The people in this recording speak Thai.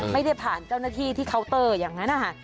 ไม่ได้ผ่านเจ้าหน้าที่ที่เคาน์เตอร์อย่างนั้นนะคะ